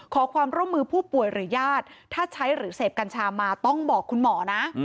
ขอความร่วมมือผู้ป่วยหรือญาติถ้าใช้หรือเสพกัญชามาต้องบอกคุณหมอนะ